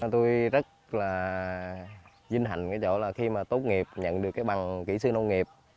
tôi rất là vinh hạnh cái chỗ là khi mà tốt nghiệp nhận được cái bằng kỹ sư nông nghiệp